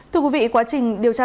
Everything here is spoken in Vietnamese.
thưa quý vị quá trình điều tra